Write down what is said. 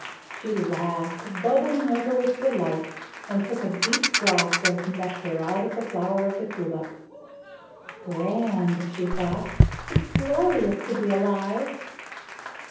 She laughed, bubbling over with delight, and took a deep draught of nectar out of the flower of the tulip. "Grand," she thought. "It's glorious to be alive."